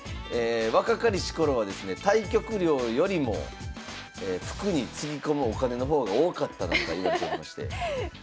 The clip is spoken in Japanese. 若かりし頃はですね対局料よりも服につぎ込むお金の方が多かったなんかいわれておりまして。